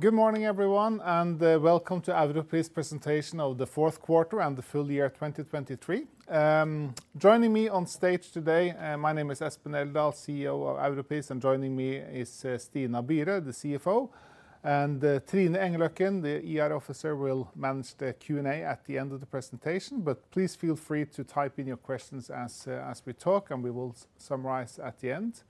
Good morning, everyone, and welcome to Europris presentation of the fourth quarter and the full year 2023. Joining me on stage today, my name is Espen Eldal, CEO of Europris, and joining me is Stina Byre, the CFO, and Trine Engløkken, the IR officer, will manage the Q&A at the end of the presentation. But please feel free to type in your questions as we talk, and we will summarize at the end.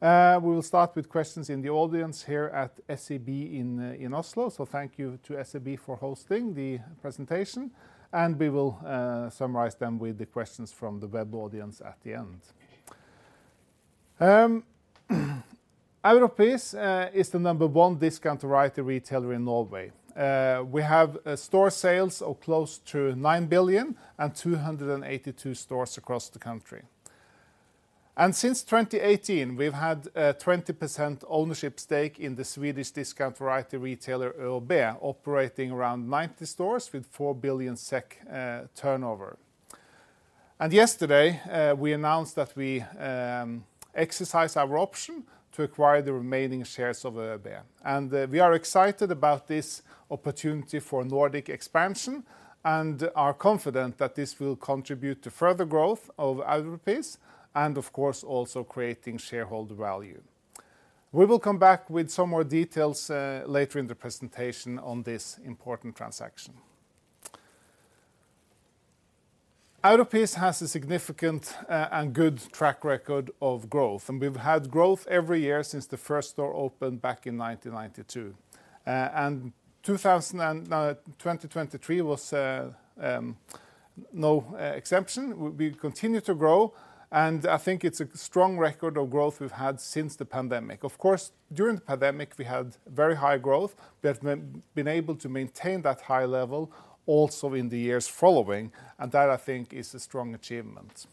We will start with questions in the audience here at SEB in Oslo. So thank you to SEB for hosting the presentation, and we will summarize them with the questions from the web audience at the end. Europris is the number one discount variety retailer in Norway. We have store sales of close to 9 billion and 282 stores across the country. And since 2018, we've had a 20% ownership stake in the Swedish discount variety retailer, ÖoB, operating around 90 stores with 4 billion SEK turnover. And yesterday, we announced that we exercise our option to acquire the remaining shares of ÖoB. And we are excited about this opportunity for Nordic expansion and are confident that this will contribute to further growth of Europris and, of course, also creating shareholder value. We will come back with some more details later in the presentation on this important transaction. Europris has a significant and good track record of growth, and we've had growth every year since the first store opened back in 1992. And 2023 was no exception. We continue to grow, and I think it's a strong record of growth we've had since the pandemic. Of course, during the pandemic, we had very high growth. We have been able to maintain that high level also in the years following, and that, I think, is a strong achievement.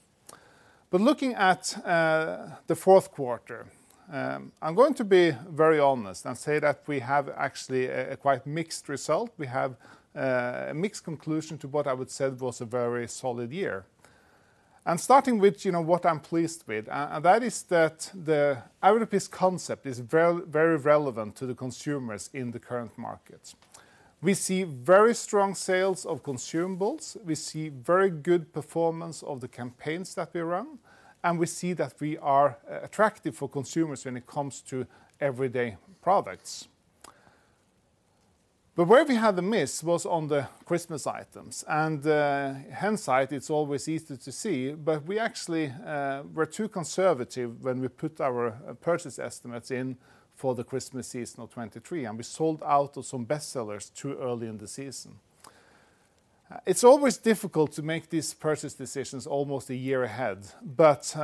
But looking at the fourth quarter, I'm going to be very honest and say that we have actually a quite mixed result. We have a mixed conclusion to what I would say was a very solid year. And starting with, you know, what I'm pleased with, and that is that the Europris concept is very, very relevant to the consumers in the current market. We see very strong sales of consumables. We see very good performance of the campaigns that we run, and we see that we are attractive for consumers when it comes to everyday products. But where we had the miss was on the Christmas items, and hindsight, it's always easy to see, but we actually were too conservative when we put our purchase estimates in for the Christmas season of 2023, and we sold out of some bestsellers too early in the season. It's always difficult to make these purchase decisions almost a year ahead, but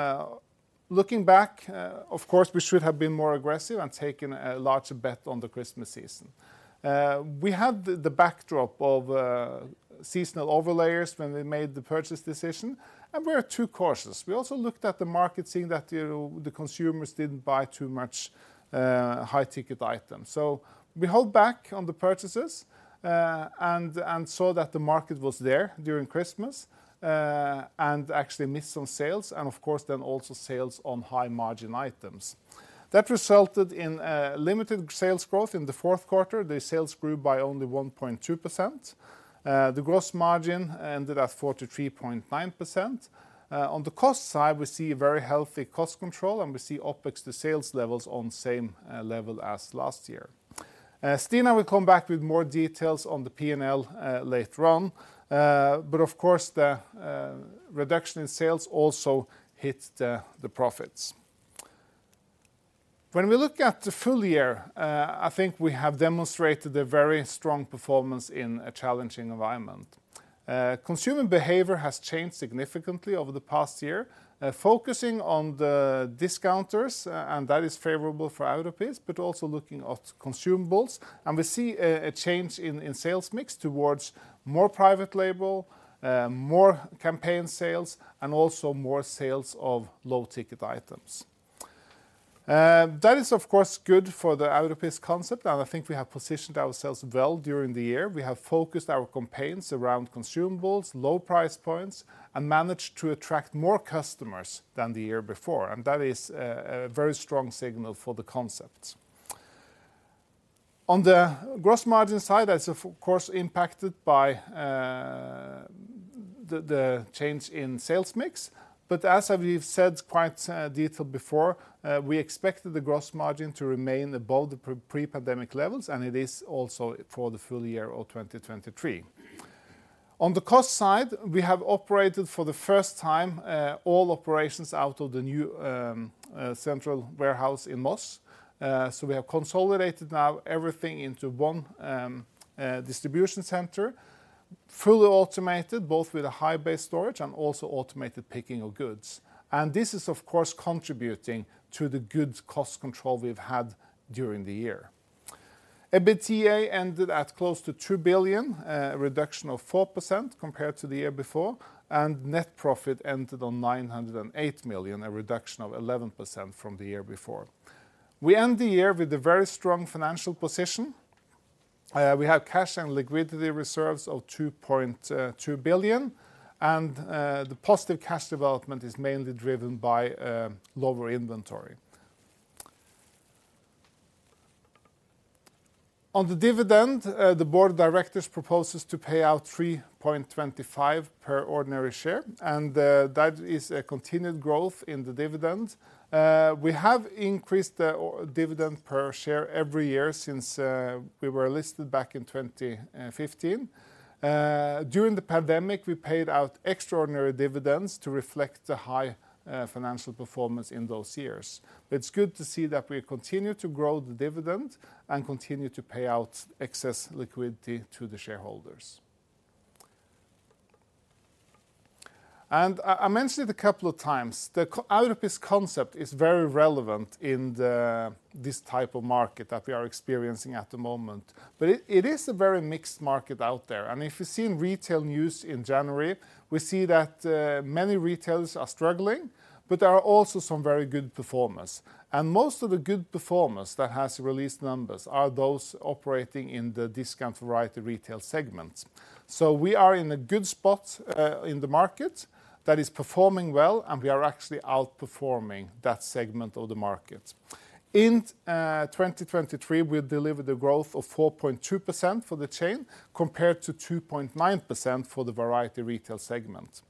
looking back, of course, we should have been more aggressive and taken a larger bet on the Christmas season. We had the backdrop of seasonal overlayers when we made the purchase decision, and we were too cautious. We also looked at the market, seeing that, you know, the consumers didn't buy too much high-ticket items. So we held back on the purchases, and saw that the market was there during Christmas, and actually missed some sales and, of course, then also sales on high-margin items. That resulted in limited sales growth in the fourth quarter. The sales grew by only 1.2%. The gross margin ended at 43.9%. On the cost side, we see a very healthy cost control, and we see OpEx to sales levels on same level as last year. Stina will come back with more details on the P&L later on. But of course, the reduction in sales also hit the profits. When we look at the full year, I think we have demonstrated a very strong performance in a challenging environment. Consumer behavior has changed significantly over the past year, focusing on the discounters, and that is favorable for Europris, but also looking at consumables. We see a change in sales mix towards more private label, more campaign sales, and also more sales of low-ticket items. That is, of course, good for the Europris concept, and I think we have positioned ourselves well during the year. We have focused our campaigns around consumables, low price points, and managed to attract more customers than the year before, and that is a very strong signal for the concept. On the gross margin side, that's of course impacted by the change in sales mix. But as we've said quite detailed before, we expect the gross margin to remain above the pre, pre-pandemic levels, and it is also for the full year of 2023. On the cost side, we have operated for the first time all operations out of the new central warehouse in Moss. So we have consolidated now everything into one distribution center, fully automated, both with a high-bay storage and also automated picking of goods. And this is, of course, contributing to the good cost control we've had during the year. EBITDA ended at close to 2 billion, a reduction of 4% compared to the year before, and net profit ended on 908 million, a reduction of 11% from the year before. We end the year with a very strong financial position. We have cash and liquidity reserves of 2.2 billion, and the positive cash development is mainly driven by lower inventory. On the dividend, the Board of Directors proposes to pay out 3.25 per ordinary share, and that is a continued growth in the dividend. We have increased the dividend per share every year since we were listed back in 2015. During the pandemic, we paid out extraordinary dividends to reflect the high financial performance in those years. It's good to see that we continue to grow the dividend and continue to pay out excess liquidity to the shareholders. And I mentioned it a couple of times, the Europris concept is very relevant in this type of market that we are experiencing at the moment. But it, it is a very mixed market out there, and if you've seen retail news in January, we see that, many retailers are struggling, but there are also some very good performers. And most of the good performers that has released numbers are those operating in the discount variety retail segment. So we are in a good spot, in the market that is performing well, and we are actually outperforming that segment of the market. In 2023, we delivered a growth of 4.2% for the chain, compared to 2.9% for the variety retail segment.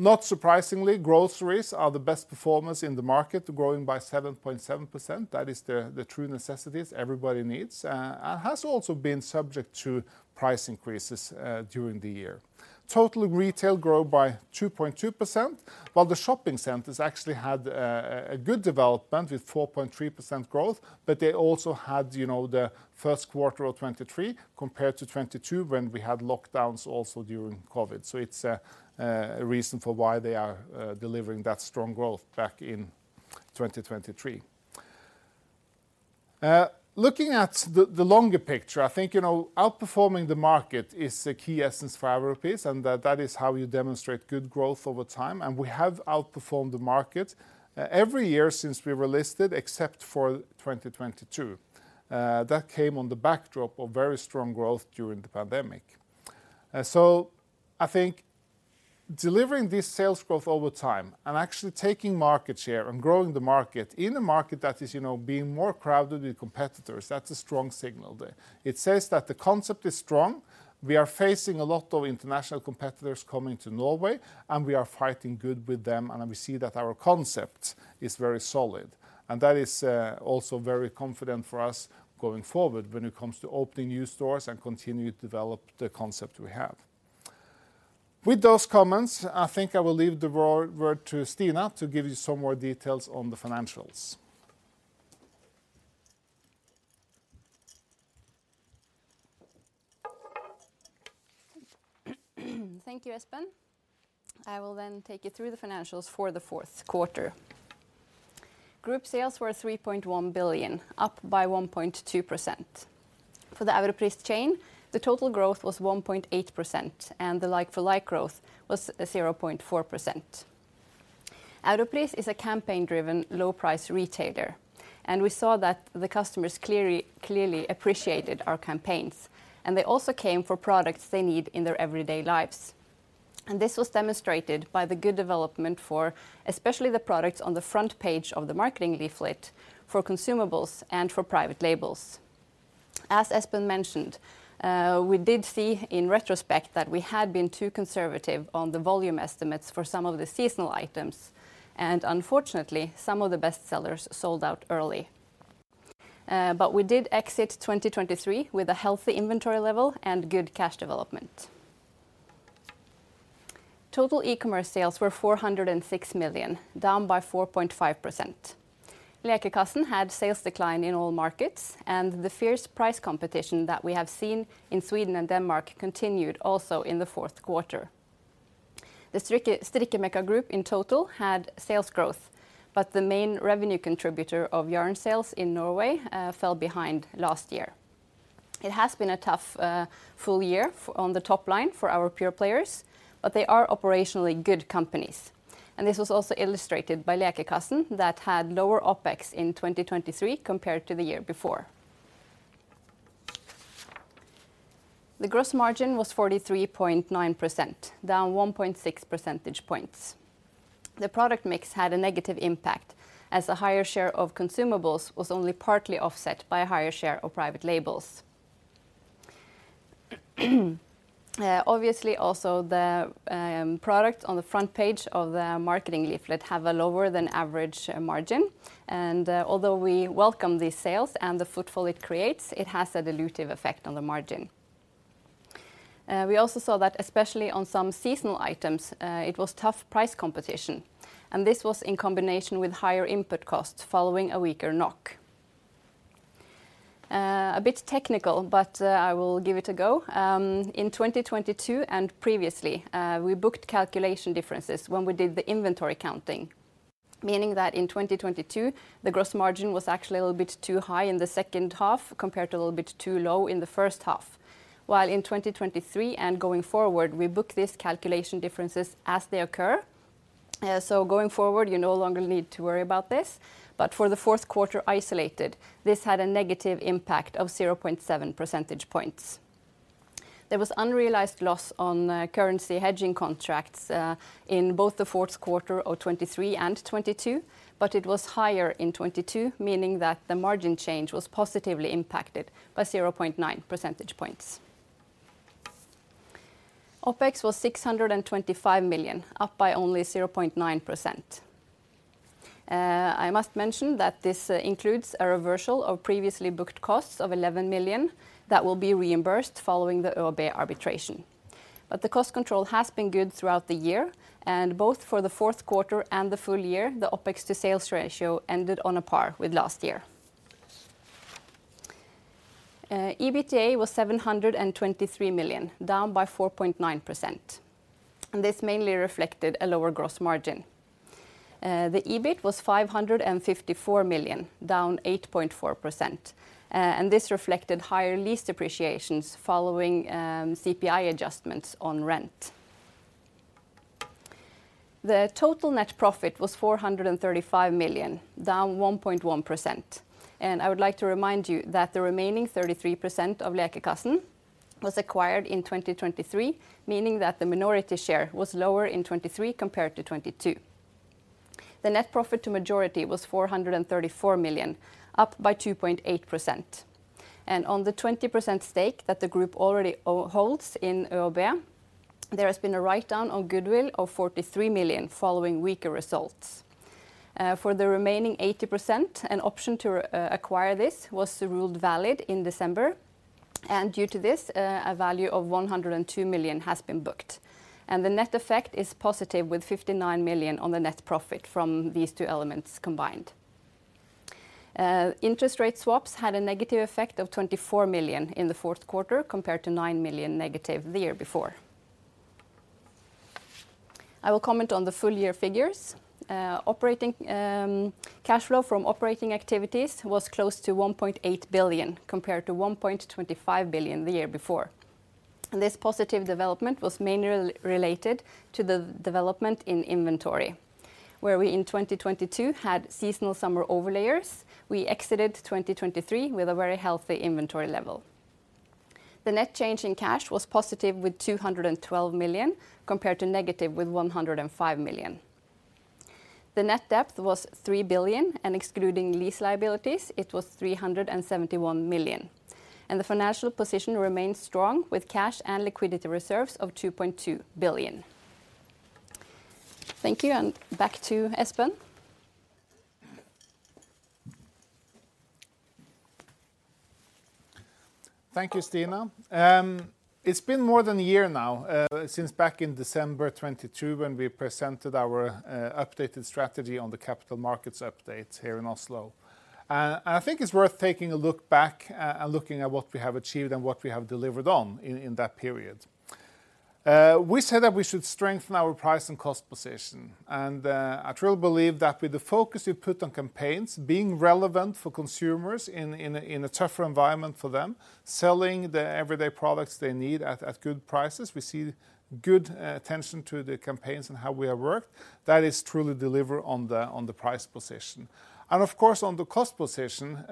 Not surprisingly, groceries are the best performers in the market, growing by 7.7%. That is the, the true necessities everybody needs, and has also been subject to price increases, during the year. Total retail grew by 2.2%, while the shopping centers actually had a good development with 4.3% growth, but they also had, you know, the first quarter of 2023 compared to 2022, when we had lockdowns also during COVID. So it's a reason for why they are delivering that strong growth back in 2023. Looking at the longer picture, I think, you know, outperforming the market is a key essence for Europris, and that is how you demonstrate good growth over time, and we have outperformed the market every year since we were listed, except for 2022. That came on the backdrop of very strong growth during the pandemic. So, I think delivering this sales growth over time and actually taking market share and growing the market in a market that is, you know, being more crowded with competitors, that's a strong signal there. It says that the concept is strong. We are facing a lot of international competitors coming to Norway, and we are fighting good with them, and we see that our concept is very solid. That is also very confident for us going forward when it comes to opening new stores and continue to develop the concept we have. With those comments, I think I will leave the word to Stina to give you some more details on the financials. Thank you, Espen. I will then take you through the financials for the fourth quarter. Group sales were 3.1 billion, up by 1.2%. For the Europris chain, the total growth was 1.8%, and the like-for-like growth was 0.4%. Europris is a campaign-driven low-price retailer, and we saw that the customers clearly, clearly appreciated our campaigns, and they also came for products they need in their everyday lives. This was demonstrated by the good development for especially the products on the front page of the marketing leaflet for consumables and for private labels. As Espen mentioned, we did see in retrospect that we had been too conservative on the volume estimates for some of the seasonal items, and unfortunately, some of the bestsellers sold out early. But we did exit 2023 with a healthy inventory level and good cash development. Total e-commerce sales were 406 million, down by 4.5%. Lekekassen had sales decline in all markets, and the fierce price competition that we have seen in Sweden and Denmark continued also in the fourth quarter. The Strikkemekka group in total had sales growth, but the main revenue contributor of yarn sales in Norway fell behind last year. It has been a tough full year on the top line for our pure players, but they are operationally good companies, and this was also illustrated by Lekekassen, that had lower OpEx in 2023 compared to the year before. The gross margin was 43.9%, down 1.6 percentage points. The product mix had a negative impact, as a higher share of consumables was only partly offset by a higher share of private labels. Obviously, also, the products on the front page of the marketing leaflet have a lower-than-average margin, and although we welcome these sales and the footfall it creates, it has a dilutive effect on the margin. We also saw that especially on some seasonal items, it was tough price competition, and this was in combination with higher input costs following a weaker NOK. A bit technical, but I will give it a go. In 2022 and previously, we booked calculation differences when we did the inventory counting, meaning that in 2022, the gross margin was actually a little bit too high in the second half compared to a little bit too low in the first half. While in 2023 and going forward, we book these calculation differences as they occur. So going forward, you no longer need to worry about this, but for the fourth quarter isolated, this had a negative impact of 0.7 percentage points. There was unrealized loss on currency hedging contracts in both the fourth quarter of 2023 and 2022, but it was higher in 2022, meaning that the margin change was positively impacted by 0.9 percentage points. OpEx was 625 million, up by only 0.9%. I must mention that this includes a reversal of previously booked costs of 11 million that will be reimbursed following the ÖoB arbitration. But the cost control has been good throughout the year, and both for the fourth quarter and the full year, the OpEx to sales ratio ended on a par with last year. EBITDA was 723 million, down by 4.9%, and this mainly reflected a lower gross margin. The EBIT was 554 million, down 8.4%, and this reflected higher lease depreciations following CPI adjustments on rent. The total net profit was 435 million, down 1.1%, and I would like to remind you that the remaining 33% of Lekekassen was acquired in 2023, meaning that the minority share was lower in 2023 compared to 2022. The net profit to majority was 434 million, up by 2.8%. And on the 20% stake that the group already holds in ÖoB, there has been a write-down on goodwill of 43 million following weaker results. For the remaining 80%, an option to acquire this was ruled valid in December, and due to this, a value of 102 million has been booked. And the net effect is positive, with 59 million on the net profit from these two elements combined. Interest rate swaps had a negative effect of 24 million in the fourth quarter, compared to 9 million negative the year before. I will comment on the full year figures. Operating cash flow from operating activities was close to 1.8 billion, compared to 1.25 billion the year before. This positive development was mainly related to the development in inventory, where we, in 2022, had seasonal summer overlayers. We exited 2023 with a very healthy inventory level. The net change in cash was positive, with 212 million, compared to negative, with 105 million. The net debt was 3 billion, and excluding lease liabilities, it was 371 million, and the financial position remains strong, with cash and liquidity reserves of 2.2 billion. Thank you, and back to Espen. Thank you, Stina. It's been more than a year now, since back in December 2022, when we presented our updated strategy on the capital markets update here in Oslo, and I think it's worth taking a look back and looking at what we have achieved and what we have delivered on in that period. We said that we should strengthen our price and cost position, and I truly believe that with the focus we've put on campaigns, being relevant for consumers in a tougher environment for them, selling the everyday products they need at good prices, we see good attention to the campaigns and how we have worked. That is truly deliver on the price position. Of course, on the cost position,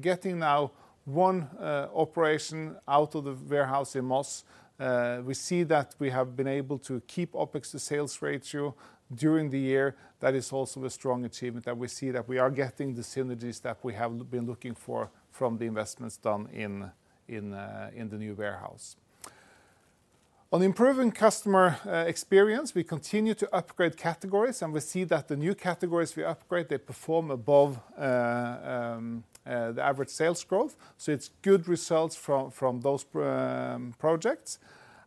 getting now one operation out of the warehouse in Moss, we see that we have been able to keep OpEx to sales ratio during the year. That is also a strong achievement that we see that we are getting the synergies that we have been looking for from the investments done in the new warehouse. On improving customer experience, we continue to upgrade categories, and we see that the new categories we upgrade, they perform above the average sales growth, so it's good results from those projects.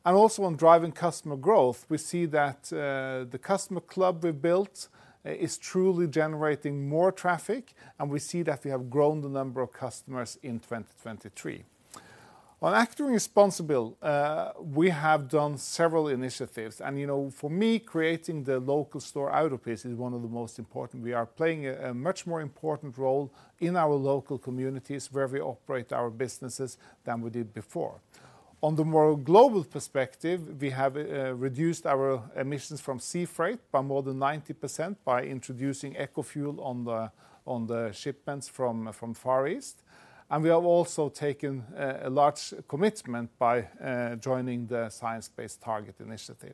And also, on driving customer growth, we see that the customer club we've built is truly generating more traffic, and we see that we have grown the number of customers in 2023. On acting responsible, we have done several initiatives, and, you know, for me, creating the local store out of this is one of the most important. We are playing a much more important role in our local communities where we operate our businesses than we did before. On the more global perspective, we have reduced our emissions from sea freight by more than 90% by introducing on the shipments from Far East, and we have also taken a large commitment by joining the Science Based Targets initiative.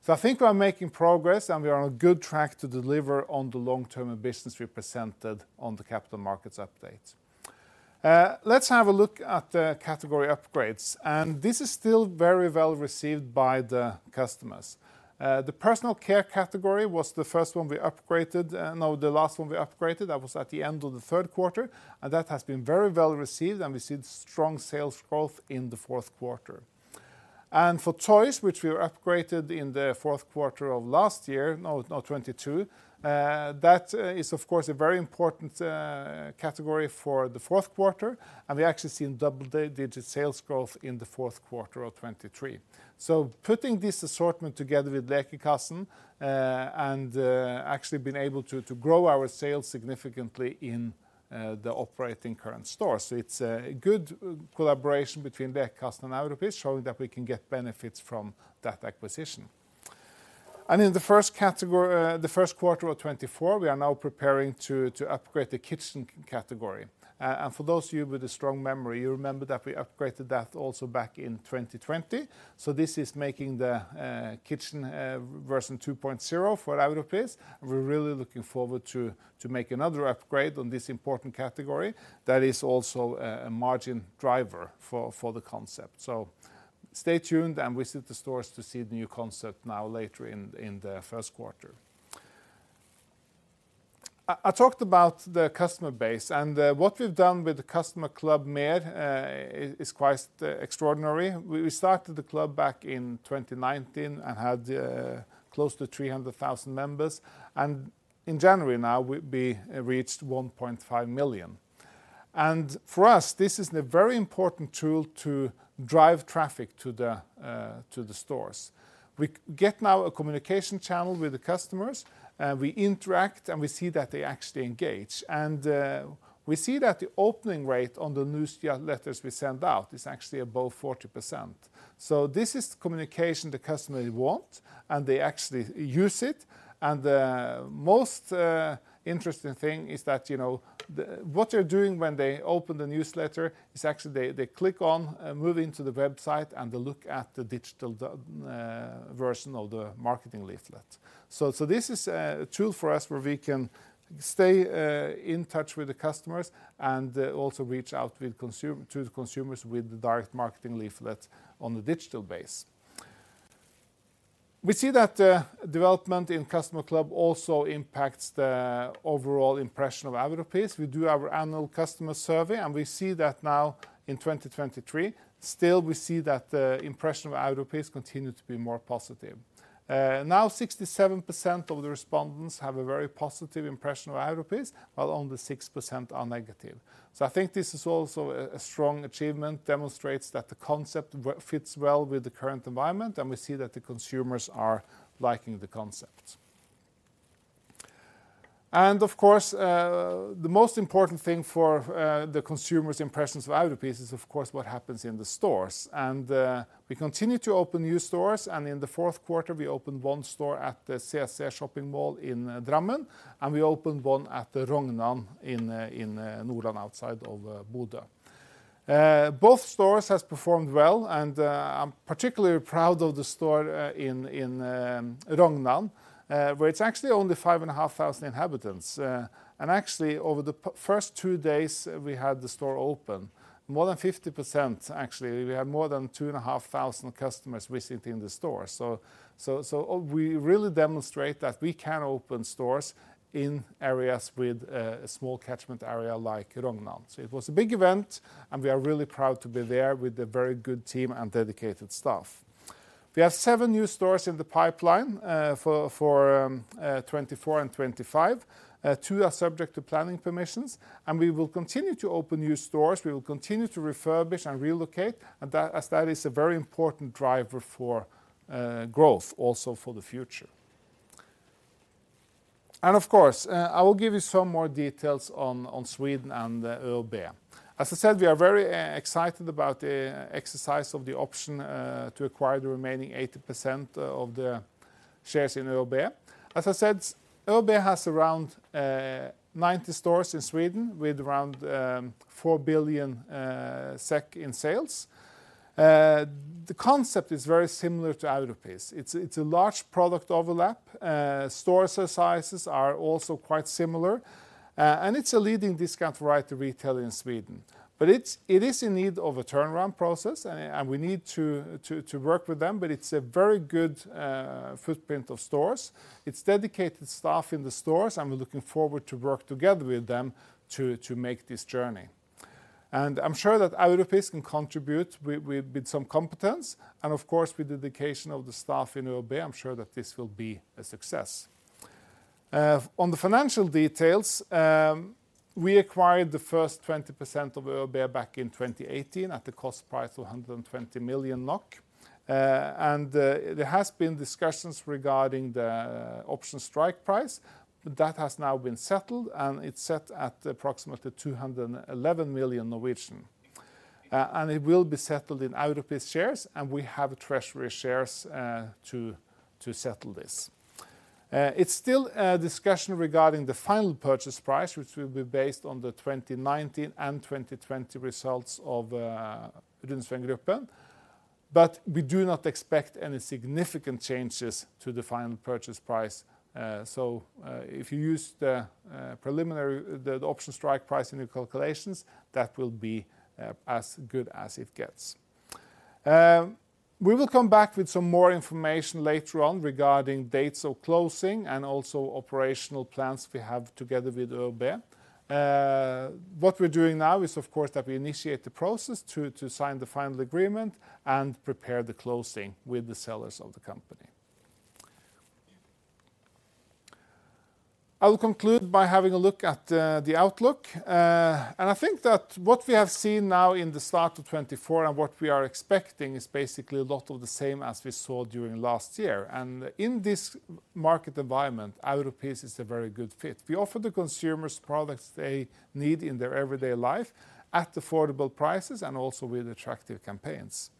So I think we're making progress, and we are on a good track to deliver on the long-term business we presented on the capital markets update. Let's have a look at the category upgrades, and this is still very well received by the customers. The personal care category was the first one we upgraded, no, the last one we upgraded. That was at the end of the third quarter, and that has been very well received, and we see strong sales growth in the fourth quarter. And for toys, which we upgraded in the fourth quarter of last year, no, 2022, that is, of course, a very important category for the fourth quarter, and we actually seen double-digit sales growth in the fourth quarter of 2023. So putting this assortment together with Lekekassen, and actually been able to to grow our sales significantly in the operating current store. So it's a good collaboration between Lekekassen and Europris, showing that we can get benefits from that acquisition.... And in the first category, the first quarter of 2024, we are now preparing to upgrade the kitchen category. And for those of you with a strong memory, you remember that we upgraded that also back in 2020. So this is making the kitchen version 2.0 for Europris, and we're really looking forward to make another upgrade on this important category that is also a margin driver for the concept. So stay tuned, and visit the stores to see the new concept now later in the first quarter. I talked about the customer base, and what we've done with the customer club, MER, is quite extraordinary. We started the club back in 2019 and had close to 300,000 members, and in January now, we reached 1.5 million. And for us, this is a very important tool to drive traffic to the stores. We get now a communication channel with the customers, and we interact, and we see that they actually engage. And we see that the opening rate on the newsletters we send out is actually above 40%. So this is communication the customer want, and they actually use it, and the most interesting thing is that, you know, what they're doing when they open the newsletter is actually they click on moving to the website, and they look at the digital version of the marketing leaflet. So this is a tool for us where we can stay in touch with the customers and also reach out to the consumers with the direct marketing leaflet on the digital base. We see that development in customer club also impacts the overall impression of Europris. We do our annual customer survey, and we see that now in 2023, still we see that the impression of Europris continue to be more positive. Now, 67% of the respondents have a very positive impression of Europris, while only 6% are negative. So I think this is also a strong achievement, demonstrates that the concept fits well with the current environment, and we see that the consumers are liking the concept. Of course, the most important thing for the consumer's impressions of Europris is, of course, what happens in the stores. We continue to open new stores, and in the fourth quarter, we opened one store at the CC Shopping Mall in Drammen, and we opened one at the Rognan in Nordland outside of Bodø. Both stores has performed well, and I'm particularly proud of the store in in Rognan, where it's actually only 5,500 inhabitants. And actually, over the first two days we had the store open, more than 50%... Actually, we had more than 2,500 customers visiting the store. So we really demonstrate that we can open stores in areas with a small catchment area like Rognan. So it was a big event, and we are really proud to be there with a very good team and dedicated staff. We have seven new stores in the pipeline for 2024 and 2025. Two are subject to planning permissions, and we will continue to open new stores. We will continue to refurbish and relocate, and that as that is a very important driver for growth also for the future. And of course, I will give you some more details on Sweden and ÖoB. As I said, we are very excited about the exercise of the option to acquire the remaining 80% of the shares in ÖoB. As I said, ÖoB has around 90 stores in Sweden with around 4 billion SEK in sales. The concept is very similar to Europris. It's a large product overlap. Store sizes are also quite similar, and it's a leading discount variety retailer in Sweden. But it is in need of a turnaround process, and we need to work with them, but it's a very good footprint of stores. It's dedicated staff in the stores, and we're looking forward to work together with them to make this journey. And I'm sure that Europris can contribute with some competence, and of course, with the dedication of the staff in ÖoB, I'm sure that this will be a success. On the financial details, we acquired the first 20% of ÖoB back in 2018 at the cost price of 120 million NOK. And there has been discussions regarding the option strike price. That has now been settled, and it's set at approximately 211 million, and it will be settled in Europris shares, and we have treasury shares, to settle this. It's still a discussion regarding the final purchase price, which will be based on the 2019 and 2020 results of, Runsvengruppen, but we do not expect any significant changes to the final purchase price. So, if you use the preliminary, the option strike price in your calculations, that will be, as good as it gets. We will come back with some more information later on regarding dates of closing and also operational plans we have together with ÖoB. What we're doing now is, of course, that we initiate the process to sign the final agreement and prepare the closing with the sellers of the company. I will conclude by having a look at the outlook. And I think that what we have seen now in the start of 2024 and what we are expecting is basically a lot of the same as we saw during last year. And in this market environment, Europris is a very good fit. We offer the consumers products they need in their everyday life at affordable prices and also with attractive campaigns.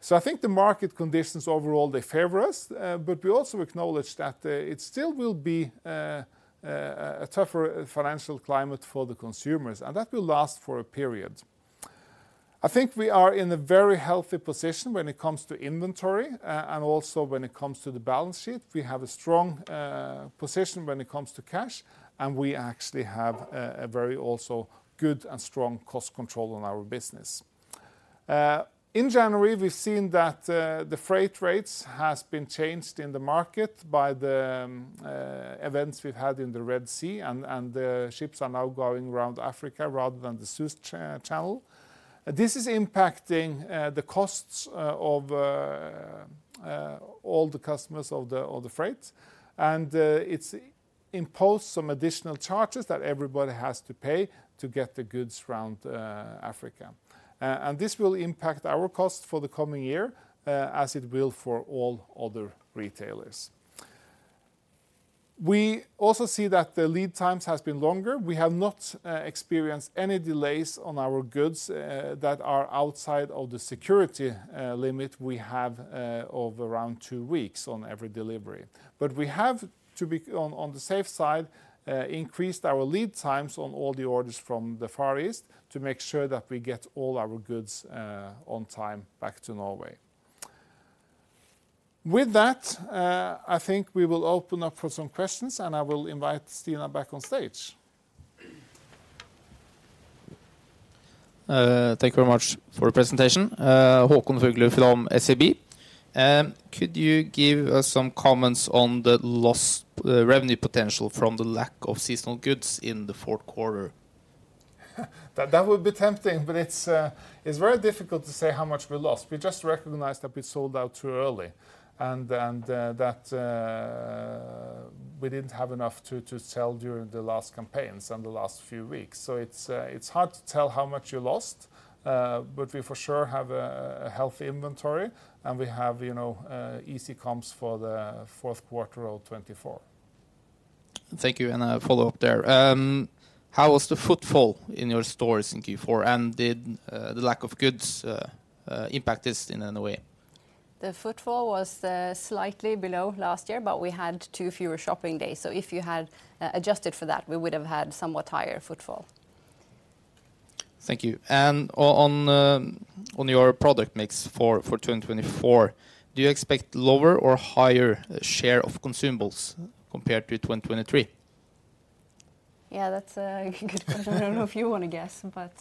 So I think the market conditions overall, they favor us. But we also acknowledge that it still will be a tougher financial climate for the consumers, and that will last for a period. I think we are in a very healthy position when it comes to inventory, and also when it comes to the balance sheet. We have a strong position when it comes to cash, and we actually have a very also good and strong cost control on our business. In January, we've seen that the freight rates has been changed in the market by the events we've had in the Red Sea, and the ships are now going around Africa rather than the Suez Canal. This is impacting the costs of all the customers of the freight. And it's imposed some additional charges that everybody has to pay to get the goods around Africa. And this will impact our cost for the coming year, as it will for all other retailers. We also see that the lead times has been longer. We have not experienced any delays on our goods that are outside of the security limit we have of around two weeks on every delivery. But we have to be on the safe side, increased our lead times on all the orders from the Far East to make sure that we get all our goods on time back to Norway. With that, I think we will open up for some questions, and I will invite Stina back on stage. Thank you very much for the presentation. Håkon Fuglu from SEB. Could you give us some comments on the lost revenue potential from the lack of seasonal goods in the fourth quarter? That would be tempting, but it's very difficult to say how much we lost. We just recognized that we sold out too early, and that we didn't have enough to sell during the last campaigns and the last few weeks. So it's hard to tell how much you lost, but we for sure have a healthy inventory, and we have, you know, easy comps for the fourth quarter of 2024. Thank you, and a follow-up there. How was the footfall in your stores in Q4, and did the lack of goods impact this in any way? The footfall was slightly below last year, but we had two fewer shopping days. So if you had adjusted for that, we would have had somewhat higher footfall. Thank you. And on your product mix for 2024, do you expect lower or higher share of consumables compared to 2023? Yeah, that's a good question. I don't know if you want to guess, but,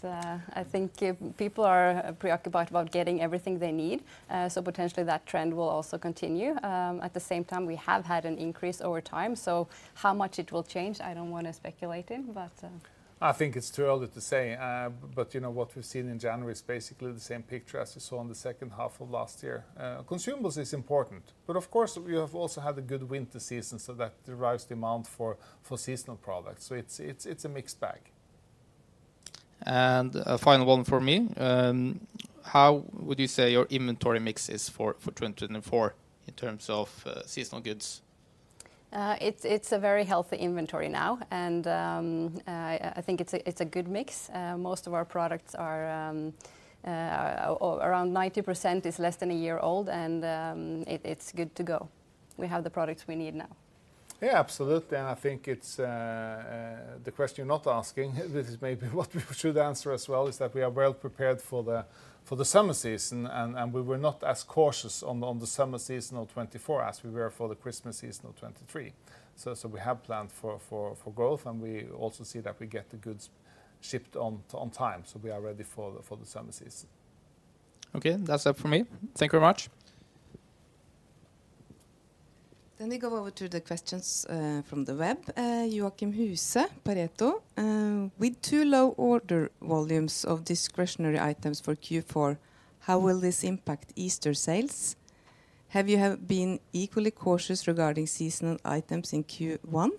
I think people are preoccupied about getting everything they need. So potentially that trend will also continue. At the same time, we have had an increase over time, so how much it will change, I don't want to speculate in, but, I think it's too early to say. But, you know, what we've seen in January is basically the same picture as we saw in the second half of last year. Consumables is important, but of course, we have also had a good winter season, so that drives demand for seasonal products. So it's a mixed bag. A final one from me: how would you say your inventory mix is for, for 2024 in terms of seasonal goods? It's a very healthy inventory now, and I think it's a good mix. Around 90% is less than a year old, and it's good to go. We have the products we need now. Yeah, absolutely, and I think it's the question you're not asking. This is maybe what we should answer as well, is that we are well prepared for the summer season, and we were not as cautious on the summer season of 2024 as we were for the Christmas season of 2023. So we have planned for growth, and we also see that we get the goods shipped on time, so we are ready for the summer season. Okay, that's it for me. Thank you very much. We go over to the questions from the web. Joachim Huse, Pareto. With two low order volumes of discretionary items for Q4, how will this impact Easter sales? Have you been equally cautious regarding seasonal items in Q1?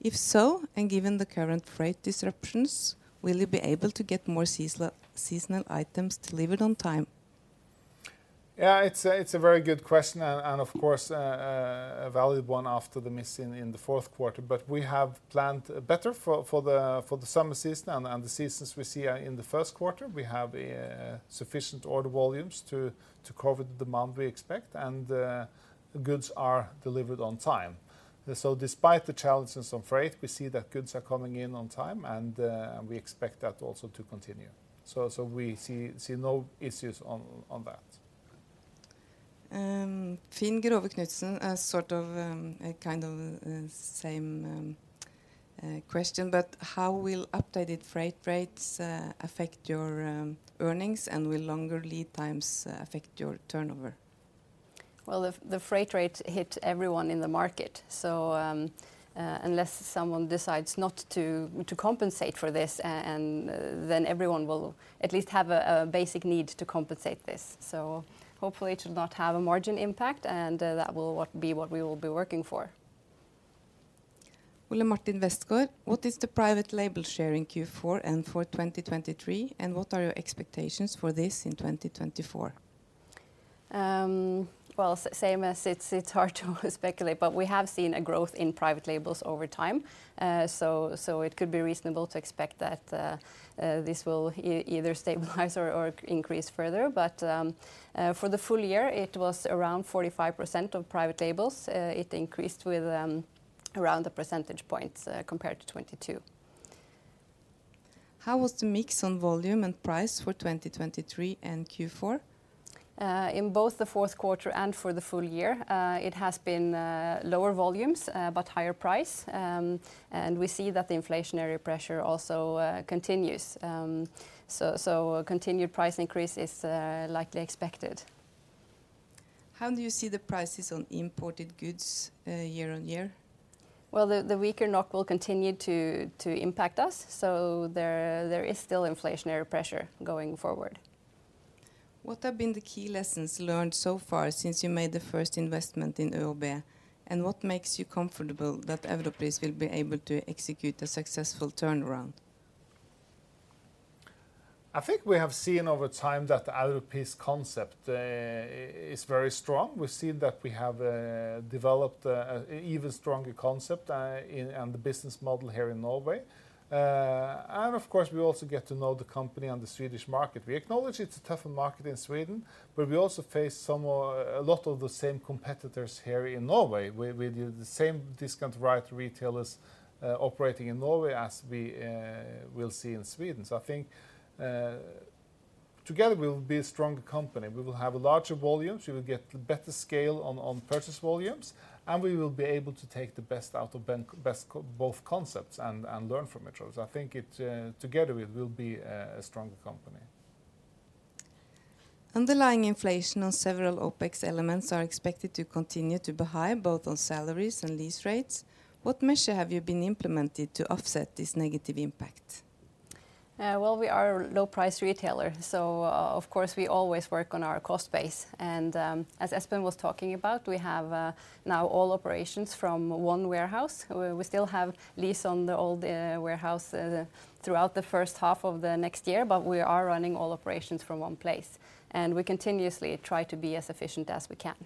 If so, and given the current freight disruptions, will you be able to get more seasonal items delivered on time? Yeah, it's a very good question and, of course, a valid one after the missing in the fourth quarter. But we have planned better for the summer season and the seasons we see in the first quarter. We have sufficient order volumes to cover the demand we expect, and the goods are delivered on time. So despite the challenges on freight, we see that goods are coming in on time, and we expect that also to continue. So we see no issues on that. Finn Grove-Knutsen, same question, but how will updated freight rates affect your earnings, and will longer lead times affect your turnover? Well, the freight rates hit everyone in the market. So, unless someone decides not to compensate for this, and then everyone will at least have a basic need to compensate this. So hopefully it will not have a margin impact, and that will be what we will be working for. Ole Martin Westgaard: What is the private label share in Q4 and for 2023, and what are your expectations for this in 2024? Well, same as it's hard to speculate, but we have seen a growth in private labels over time. So, it could be reasonable to expect that this will either stabilize or increase further. But, for the full year, it was around 45% of private labels. It increased with around the percentage points, compared to 2022. How was the mix on volume and price for 2023 and Q4? In both the fourth quarter and for the full year, it has been lower volumes, but higher price. And we see that the inflationary pressure also continues. So, a continued price increase is likely expected. How do you see the prices on imported goods, year on year? Well, the weaker NOK will continue to impact us, so there is still inflationary pressure going forward. What have been the key lessons learned so far since you made the first investment in ÖoB? And what makes you comfortable that Europris will be able to execute a successful turnaround? I think we have seen over time that the Europris concept is very strong. We've seen that we have developed an even stronger concept in and the business model here in Norway. And of course, we also get to know the company on the Swedish market. We acknowledge it's a tougher market in Sweden, but we also face some more, a lot of the same competitors here in Norway, where we do the same discount variety retailers operating in Norway as we will see in Sweden. So I think together we will be a stronger company. We will have larger volumes, we will get better scale on purchase volumes, and we will be able to take the best out of both concepts and learn from each other. I think it, together it will be a stronger company. Underlying inflation on several OpEx elements is expected to continue to be high, both on salaries and lease rates. What measures have you implemented to offset this negative impact? Well, we are a low-price retailer, so, of course, we always work on our cost base. And, as Espen was talking about, we have now all operations from one warehouse, where we still have lease on the old warehouse throughout the first half of the next year. But we are running all operations from one place, and we continuously try to be as efficient as we can.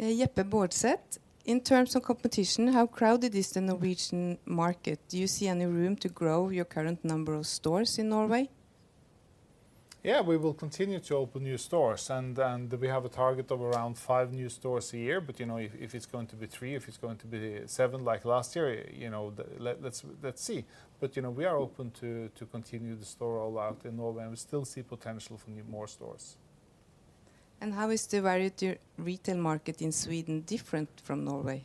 Jeppe Baardseth, in terms of competition, how crowded is the Norwegian market? Do you see any room to grow your current number of stores in Norway? Yeah, we will continue to open new stores, and we have a target of around five new stores a year. But, you know, if it's going to be three, if it's going to be seven like last year, you know, let's see. But, you know, we are open to continue the store roll out in Norway, and we still see potential for more stores. How is the variety retail market in Sweden different from Norway?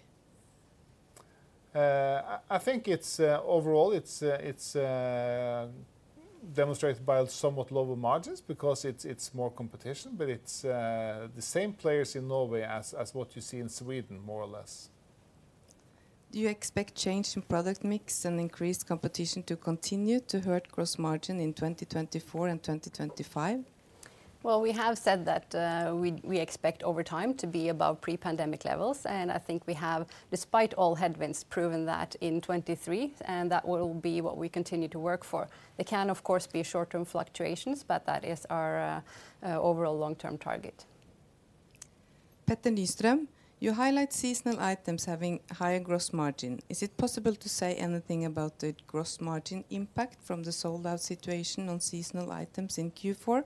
Overall, it's demonstrated by somewhat lower margins because it's more competition, but it's the same players in Norway as what you see in Sweden, more or less. Do you expect change in product mix and increased competition to continue to hurt gross margin in 2024 and 2025? Well, we have said that, we expect over time to be above pre-pandemic levels, and I think we have, despite all headwinds, proven that in 2023, and that will be what we continue to work for. There can, of course, be short-term fluctuations, but that is our overall long-term target. Petter Nyström: You highlight seasonal items having higher gross margin. Is it possible to say anything about the gross margin impact from the sold-out situation on seasonal items in Q4?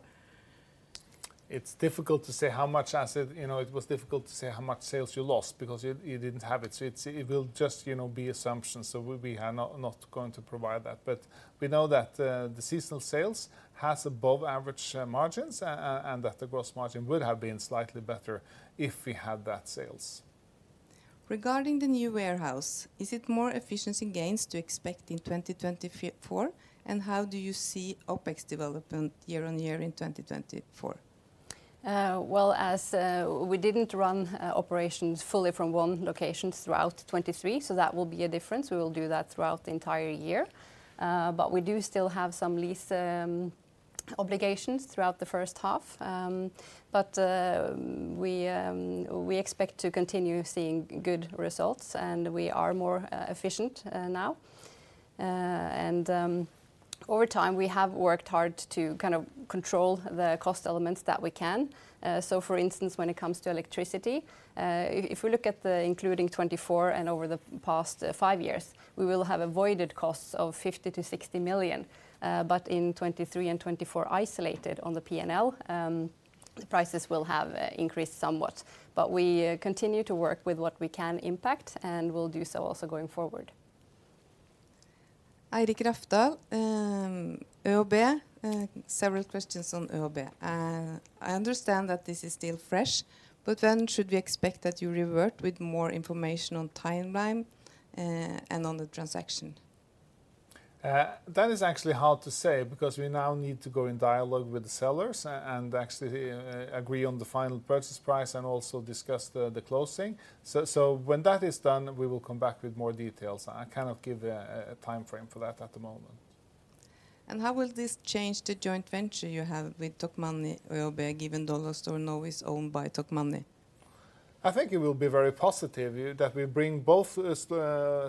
It's difficult to say how much as it. You know, it was difficult to say how much sales you lost because you didn't have it, so it will just, you know, be assumptions. So we are not going to provide that. But we know that the seasonal sales has above-average margins, and that the gross margin would have been slightly better if we had that sales. Regarding the new warehouse, is it more efficiency gains to expect in 2024? And how do you see OpEx development year on year in 2024? Well, as we didn't run operations fully from one location throughout 2023, so that will be a difference. We will do that throughout the entire year. But we do still have some lease obligations throughout the first half. But we expect to continue seeing good results, and we are more efficient now. And over time, we have worked hard to kind of control the cost elements that we can. So for instance, when it comes to electricity, if we look at the including 2024 and over the past five years, we will have avoided costs of 50-60 million. But in 2023 and 2024, isolated on the P&L, the prices will have increased somewhat. But we continue to work with what we can impact, and we'll do so also going forward. Eirik Rafdal, ÖoB, several questions on ÖoB. I understand that this is still fresh, but when should we expect that you revert with more information on timeline, and on the transaction? That is actually hard to say because we now need to go in dialogue with the sellers and actually agree on the final purchase price and also discuss the closing. So when that is done, we will come back with more details. I cannot give a timeframe for that at the moment. How will this change the joint venture you have with Tokmanni ÖoB, given Dollarstore now is owned by Tokmanni? I think it will be very positive, that we bring both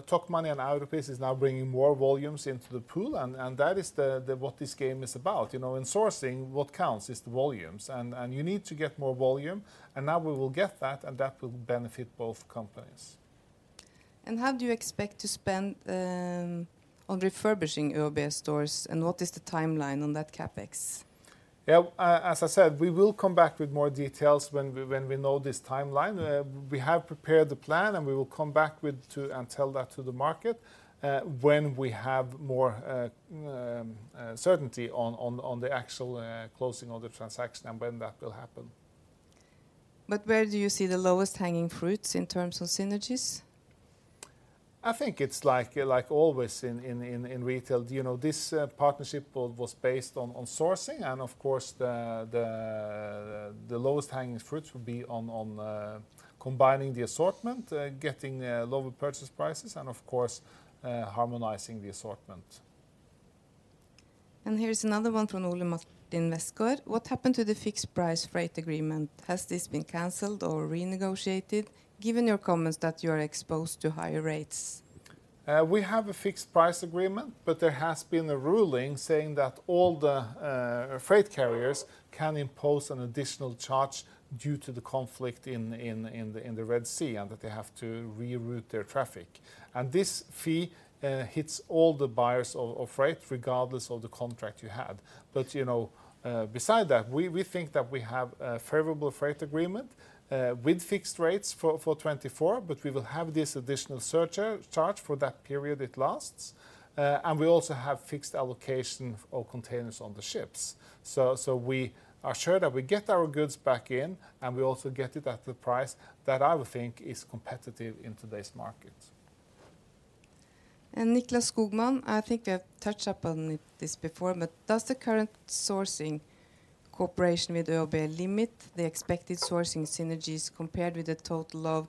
Tokmanni and Europris is now bringing more volumes into the pool, and that is the what this game is about. You know, in sourcing, what counts is the volumes, and you need to get more volume, and now we will get that, and that will benefit both companies. How do you expect to spend on refurbishing ÖoB stores, and what is the timeline on that CapEx? Yeah, as I said, we will come back with more details when we know this timeline. We have prepared the plan, and we will come back with and tell that to the market, when we have more certainty on the actual closing of the transaction and when that will happen. Where do you see the lowest-hanging fruits in terms of synergies? I think it's like always in retail. You know, this partnership build was based on sourcing, and of course, the lowest-hanging fruits would be on combining the assortment, getting lower purchase prices, and of course, harmonizing the assortment. And here's another one from Ole Martin Westgaard: "What happened to the fixed price freight agreement? Has this been canceled or renegotiated, given your comments that you are exposed to higher rates? We have a fixed price agreement, but there has been a ruling saying that all the freight carriers can impose an additional charge due to the conflict in the Red Sea, and that they have to reroute their traffic. And this fee hits all the buyers of freight, regardless of the contract you had. But, you know, besides that, we think that we have a favorable freight agreement with fixed rates for 2024, but we will have this additional surcharge for that period it lasts. And we also have fixed allocation of containers on the ships. So we are sure that we get our goods back in, and we also get it at the price that I would think is competitive in today's market. Nicklas Skogman, I think I've touched upon it, this before, but: Does the current sourcing cooperation with ÖoB limit the expected sourcing synergies compared with a total of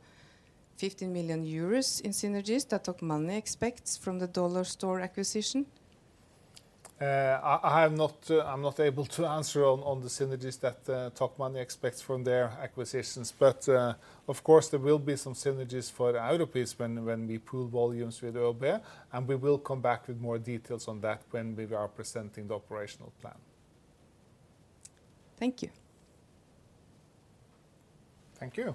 50 million euros in synergies that Tokmanni expects from the Dollarstore acquisition? I'm not able to answer on the synergies that Tokmanni expects from their acquisitions. But, of course, there will be some synergies for the Europris when we pool volumes with ÖoB, and we will come back with more details on that when we are presenting the operational plan. Thank you. Thank you.